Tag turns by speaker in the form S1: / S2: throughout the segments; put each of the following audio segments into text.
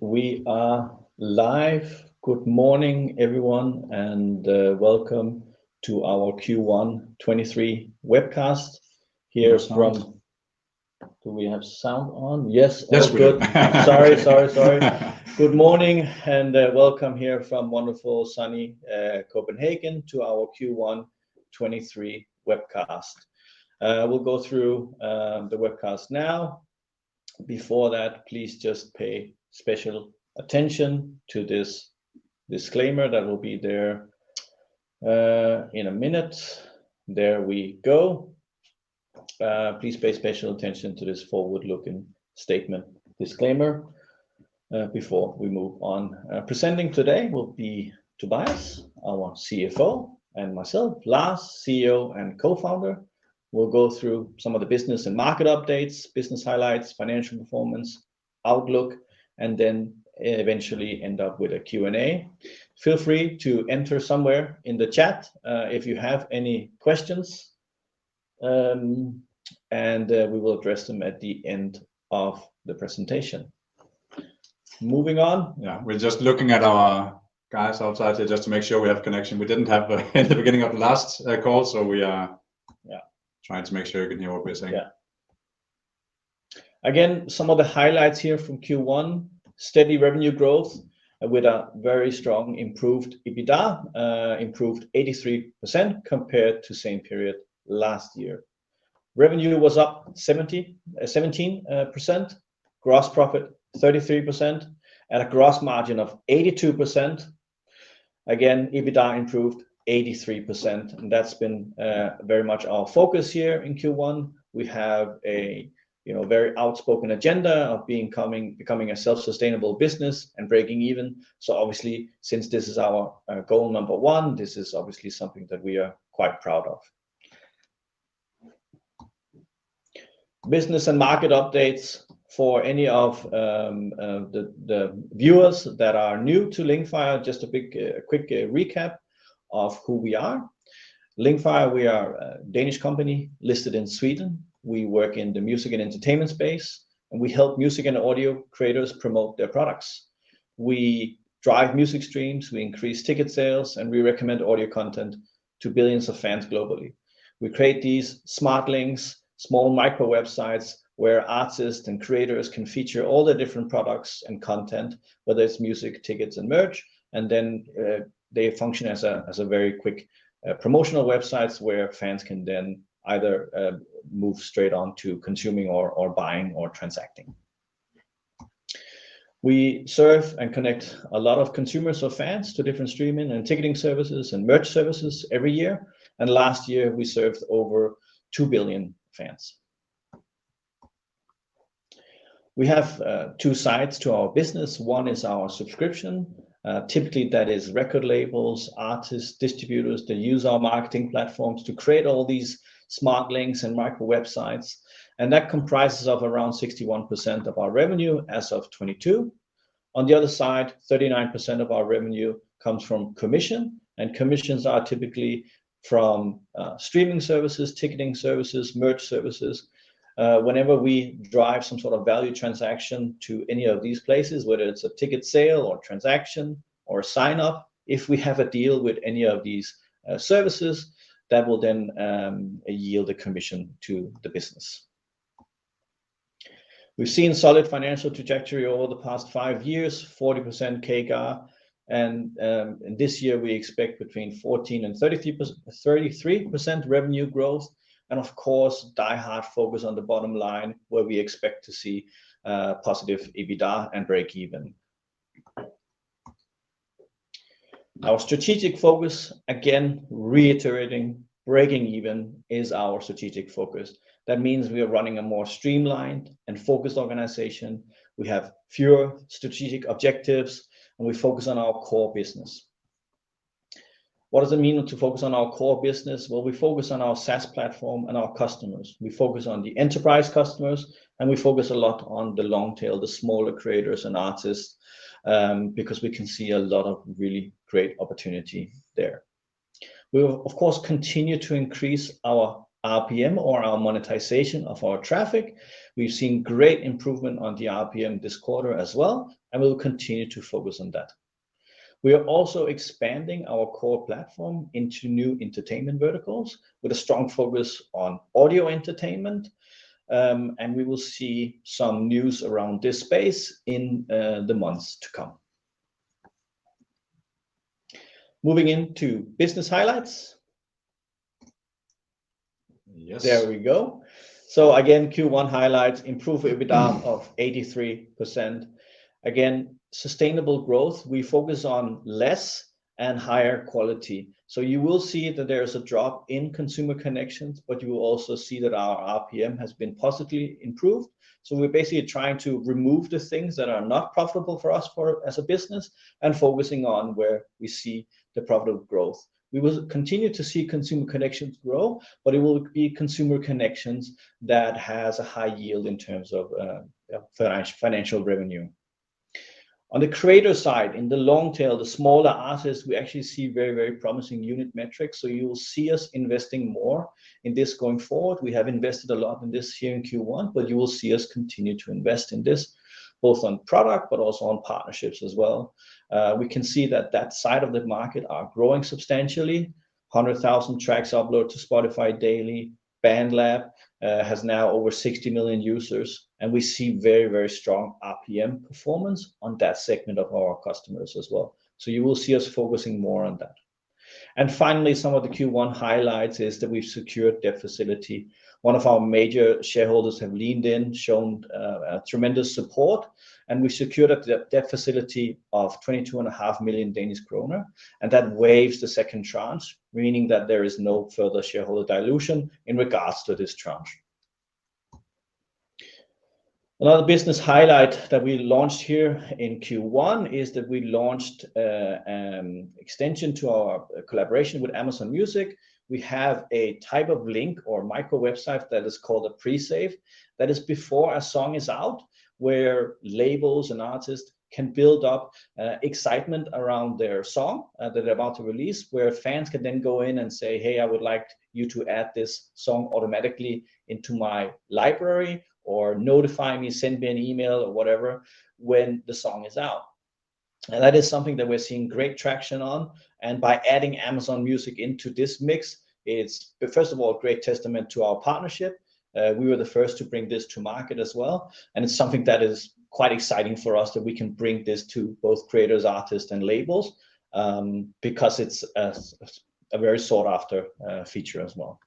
S1: We are live. Good morning, everyone, and welcome to our Q1 2023 webcast.
S2: No sound.
S1: Do we have sound on? Yes, all good.
S2: Yes, we do.
S1: Sorry. Good morning, welcome here from wonderful, sunny Copenhagen to our Q1 '23 webcast. We'll go through the webcast now. Before that, please just pay special attention to this disclaimer that will be there in a minute. There we go. Please pay special attention to this forward-looking statement disclaimer before we move on. Presenting today will be Tobias, our CFO, and myself, Lars, CEO, and co-founder. We'll go through some of the business and market updates, business highlights, financial performance, outlook, and then eventually end up with a Q&A. Feel free to enter somewhere in the chat if you have any questions, and we will address them at the end of the presentation. Moving on.
S2: We're just looking at our guys outside here just to make sure we have connection. We didn't have one at the beginning of the last call.
S1: Yeah...
S2: trying to make sure you can hear what we're saying.
S1: Yeah. Some of the highlights here from Q1: steady revenue growth with a very strong improved EBITDA, improved 83% compared to same period last year. Revenue was up 17%, gross profit 33%, and a gross margin of 82%. EBITDA improved 83%, and that's been very much our focus here in Q1. We have a, you know, very outspoken agenda of becoming a self-sustainable business and breaking even. Obviously, since this is our goal number one, this is obviously something that we are quite proud of. Business and market updates. For any of the viewers that are new to Linkfire, just a quick recap of who we are. Linkfire, we are a Danish company listed in Sweden. We work in the music and entertainment space, and we help music and audio creators promote their products. We drive music streams, we increase ticket sales, and we recommend audio content to billions of fans globally. We create these smart links, small micro websites, where artists and creators can feature all their different products and content, whether it's music, tickets, and merch, and then they function as a very quick promotional websites where fans can then either move straight on to consuming or buying or transacting. We serve and connect a lot of consumers or fans to different streaming and ticketing services and merch services every year. Last year, we served over two billion fans. We have two sides to our business. One is our subscription. Typically, that is record labels, artists, distributors, that use our marketing platforms to create all these smart links and micro websites, and that comprises of around 61% of our revenue as of 2022. On the other side, 39% of our revenue comes from commission. Commissions are typically from streaming services, ticketing services, merch services. Whenever we drive some sort of value transaction to any of these places, whether it's a ticket sale, or transaction, or sign-up, if we have a deal with any of these services, that will then yield a commission to the business. We've seen solid financial trajectory over the past five years, 40% CAGR, and this year, we expect between 14% and 33% revenue growth, and of course, die-hard focus on the bottom line, where we expect to see positive EBITDA and break even. Our strategic focus, again, reiterating, breaking even is our strategic focus. That means we are running a more streamlined and focused organization. We have fewer strategic objectives, and we focus on our core business. What does it mean to focus on our core business? Well, we focus on our SaaS platform and our customers. We focus on the enterprise customers, and we focus a lot on the long tail, the smaller creators and artists, because we can see a lot of really great opportunity there. We will, of course, continue to increase our RPM or our monetization of our traffic. We've seen great improvement on the RPM this quarter as well, and we will continue to focus on that. We are also expanding our core platform into new entertainment verticals, with a strong focus on audio entertainment, and we will see some news around this space in the months to come. Moving into business highlights.
S2: Yes.
S1: There we go. Again, Q1 highlights: improved EBITDA of 83%. Again, sustainable growth, we focus on less and higher quality. You will see that there is a drop in Consumer Connections, but you will also see that our RPM has been positively improved. We're basically trying to remove the things that are not profitable for us as a business, and focusing on where we see the profitable growth. We will continue to see Consumer Connections grow, but it will be Consumer Connections that has a high yield in terms of financial revenue. On the creator side, in the long tail, the smaller artists, we actually see very promising unit metrics. You will see us investing more in this going forward. We have invested a lot in this here in Q1, but you will see us continue to invest in this, both on product but also on partnerships as well. We can see that that side of the market are growing substantially. 100,000 tracks upload to Spotify daily. BandLab has now over 60 million users, and we see very, very strong RPM performance on that segment of our customers as well. You will see us focusing more on that. Finally, some of the Q1 highlights is that we've secured debt facility. One of our major shareholders have leaned in, shown tremendous support, and we've secured a debt facility of 22 and a half million Danish kroner, and that waives the second tranche, meaning that there is no further shareholder dilution in regards to this tranche. Another business highlight that we launched here in Q1 is that we launched extension to our collaboration with Amazon Music. We have a type of link or micro website that is called a pre-save. That is before a song is out, where labels and artists can build up excitement around their song that they're about to release, where fans can then go in and say, "Hey, I would like you to add this song automatically into my library, or notify me, send me an email, or whatever, when the song is out." That is something that we're seeing great traction on, and by adding Amazon Music into this mix, it's, first of all, a great testament to our partnership. We were the first to bring this to market as well, and it's something that is quite exciting for us, that we can bring this to both creators, artists, and labels, because it's a very sought after feature as well.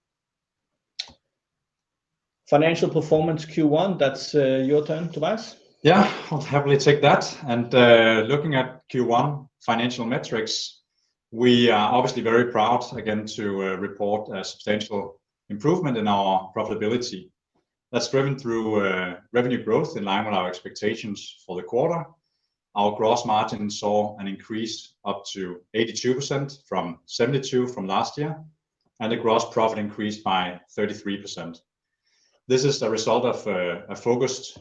S1: Financial performance, Q1, that's your turn, Tobias.
S3: Yeah, I'll happily take that. Looking at Q1 financial metrics, we are obviously very proud again to report a substantial improvement in our profitability. That's driven through revenue growth in line with our expectations for the quarter. Our gross margin saw an increase up to 82% from 72% from last year, and the gross profit increased by 33%. This is the result of a focused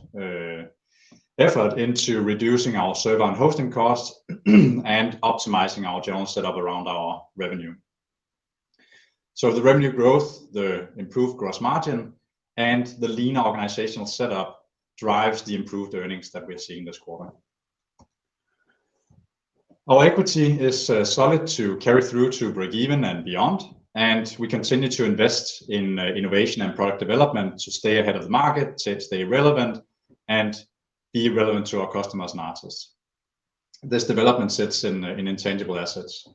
S3: effort into reducing our server and hosting costs, and optimizing our general setup around our revenue. The revenue growth, the improved gross margin, and the lean organizational setup drives the improved earnings that we're seeing this quarter. Our equity is solid to carry through to breakeven and beyond. We continue to invest in innovation and product development to stay ahead of the market, to stay relevant and be relevant to our customers and artists. This development sits in intangible assets.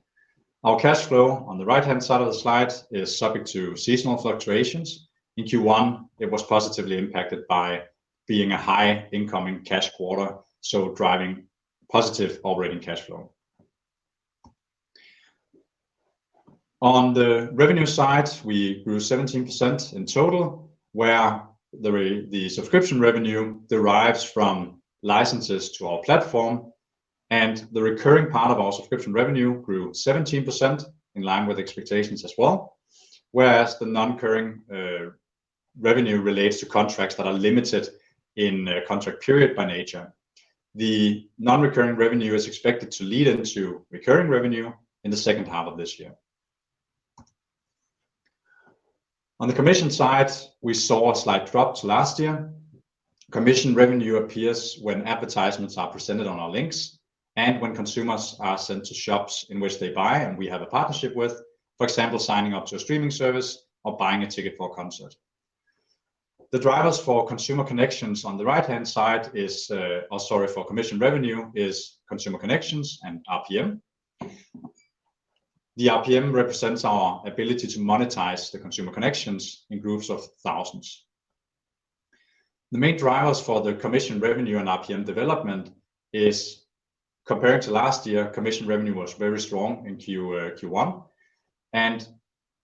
S3: Our cash flow, on the right-hand side of the slide, is subject to seasonal fluctuations. In Q1, it was positively impacted by being a high incoming cash quarter, driving positive operating cash flow. On the revenue side, we grew 17% in total, where the subscription revenue derives from licenses to our platform. The recurring part of our subscription revenue grew 17%, in line with expectations as well. The non-recurring revenue relates to contracts that are limited in a contract period by nature. The non-recurring revenue is expected to lead into recurring revenue in the second half of this year. On the commission side, we saw a slight drop to last year. Commission revenue appears when advertisements are presented on our links and when consumers are sent to shops in which they buy and we have a partnership with, for example, signing up to a streaming service or buying a ticket for a concert. The drivers for Consumer Connections on the right-hand side is for commission revenue, is Consumer Connections and RPM. The RPM represents our ability to monetize the Consumer Connections in groups of thousands. The main drivers for the commission revenue and RPM development is, compared to last year, commission revenue was very strong in Q1, and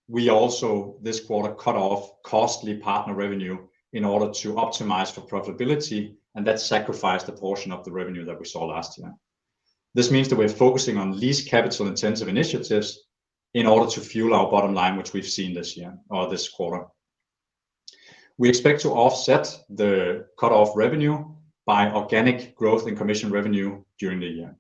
S3: we also, this quarter, cut off costly partner revenue in order to optimize for profitability, and that sacrificed a portion of the revenue that we saw last year. This means that we're focusing on least capital-intensive initiatives in order to fuel our bottom line, which we've seen this year or this quarter. We expect to offset the cut-off revenue by organic growth in commission revenue during the year.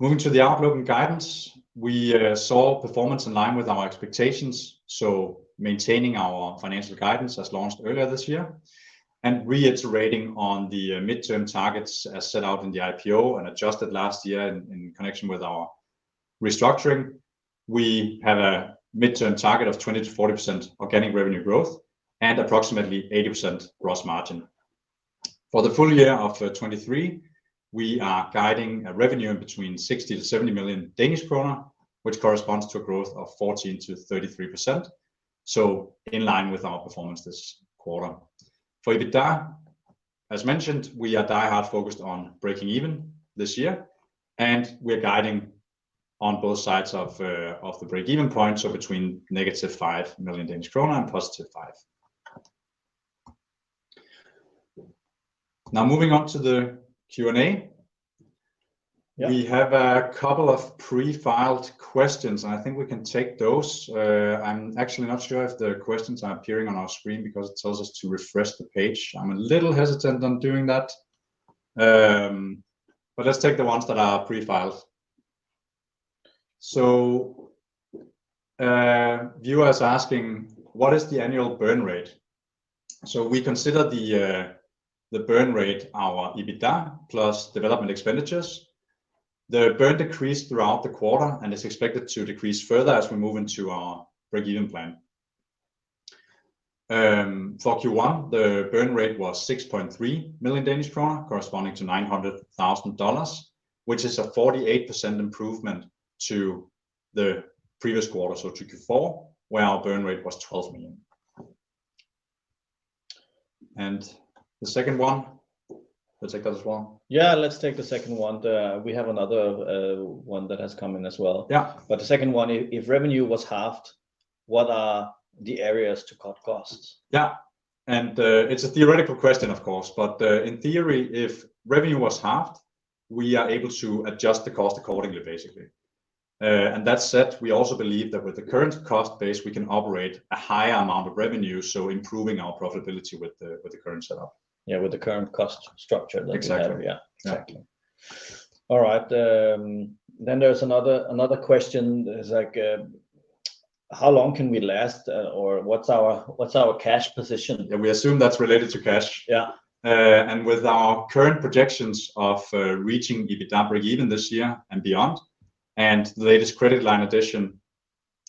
S3: Moving to the outlook and guidance, we saw performance in line with our expectations, so maintaining our financial guidance as launched earlier this year and reiterating on the midterm targets as set out in the IPO and adjusted last year in connection with our restructuring. We have a midterm target of 20%-40% organic revenue growth and approximately 80% gross margin. For the full year of 2023, we are guiding a revenue in between 60 million-70 million Danish kroner, which corresponds to a growth of 14%-33%, so in line with our performance this quarter. For EBITDA, as mentioned, we are diehard focused on breaking even this year, and we're guiding on both sides of the breakeven point, so between -five million Danish krone and five million. Moving on to the Q&A. We have a couple of pre-filed questions, and I think we can take those. I'm actually not sure if the questions are appearing on our screen because it tells us to refresh the page. I'm a little hesitant on doing that. Let's take the ones that are pre-filed. Viewer's asking: what is the annual burn rate? We consider the burn rate our EBITDA plus development expenditures. The burn decreased throughout the quarter, and is expected to decrease further as we move into our breakeven plan. For Q1, the burn rate was 6.3 million Danish krone, corresponding to $900,000, which is a 48% improvement to the previous quarter, so to Q4, where our burn rate was 12 million. The second one, we'll take that as well?
S1: Yeah, let's take the second one. We have another one that has come in as well.
S2: Yeah.
S1: The second one, if revenue was halved, what are the areas to cut costs?
S3: Yeah, it's a theoretical question, of course, but, in theory, if revenue was halved, we are able to adjust the cost accordingly, basically. That said, we also believe that with the current cost base, we can operate a higher amount of revenue, so improving our profitability with the, with the current setup.
S1: Yeah, with the current cost structure that we have.
S3: Exactly.
S1: Yeah, exactly. All right. There's another question is like, how long can we last? What's our cash position?
S3: Yeah, we assume that's related to cash.
S1: Yeah.
S3: With our current projections of reaching EBITDA breakeven this year and beyond, and the latest credit line addition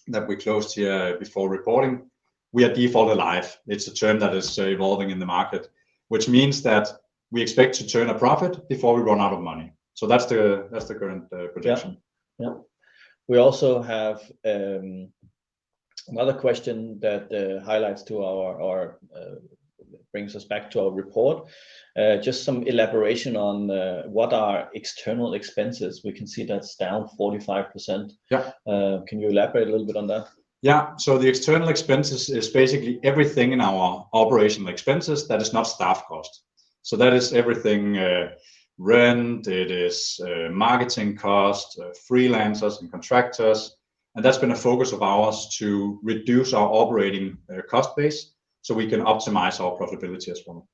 S3: that we closed here before reporting, we are default alive. It's a term that is evolving in the market, which means that we expect to turn a profit before we run out of money. That's the current projection.
S1: Yeah, yeah. We also have another question that highlights or brings us back to our report. Just some elaboration on what are external expenses? We can see that's down 45%.
S3: Yeah.
S1: Can you elaborate a little bit on that?
S3: The external expenses is basically everything in our operational expenses that is not staff cost. That is everything, rent, it is marketing cost, freelancers and contractors, and that's been a focus of ours to reduce our operating cost base so we can optimize our profitability as well.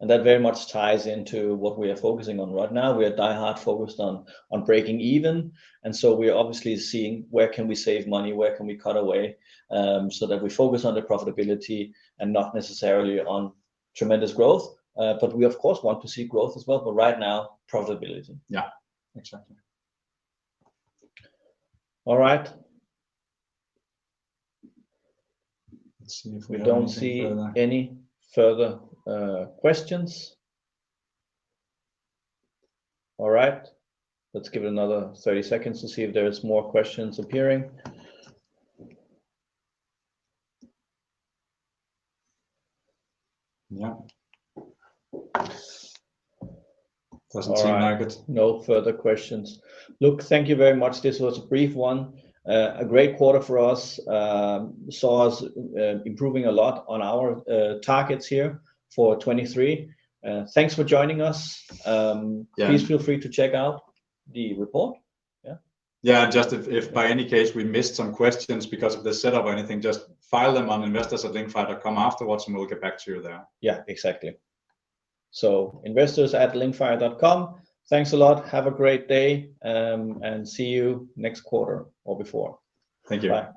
S1: That very much ties into what we are focusing on right now. We are diehard focused on breaking even, and so we are obviously seeing where can we save money, where can we cut away, so that we focus on the profitability and not necessarily on tremendous growth. We of course, want to see growth as well, but right now, profitability.
S3: Yeah, exactly.
S1: All right.
S2: Let's see if we have anything further.
S1: We don't see any further questions. All right, let's give it another 30 seconds to see if there is more questions appearing.
S2: Yeah. Doesn't seem like it.
S1: All right, no further questions. Look, thank you very much. This was a brief one. A great quarter for us, saw us improving a lot on our targets here for 2023. Thanks for joining us.
S3: Yeah
S1: please feel free to check out the report. Yeah?
S2: Yeah, just if by any case we missed some questions because of the setup or anything, just file them on investors@linkfire.com afterwards, and we'll get back to you there.
S1: Yeah, exactly. investors@linkfire.com. Thanks a lot. Have a great day, and see you next quarter or before.
S3: Thank you.
S1: Bye.